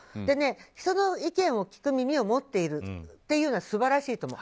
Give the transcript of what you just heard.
人の意見を聞く耳を持っているのは素晴らしいと思う。